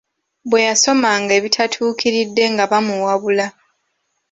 Bwe yasomanga ebitatuukiridde nga bamuwabula.